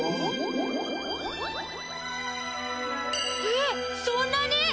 えっそんなに！